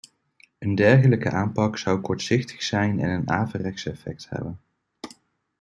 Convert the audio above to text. Een dergelijke aanpak zou kortzichtig zijn en een averechts effect hebben.